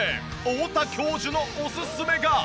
太田教授のおすすめが。